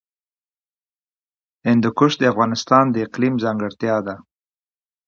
هندوکش د افغانستان د اقلیم ځانګړتیا ده.